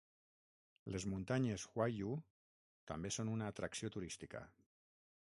Les muntanyes Huaiyu també són una atracció turística.